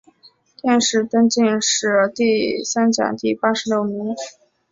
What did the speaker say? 殿试登进士第三甲第八十六名。